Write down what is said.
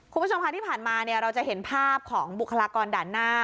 คุณผู้ชมค่ะที่ผ่านมาเราจะเห็นภาพของบุคลากรด่านหน้า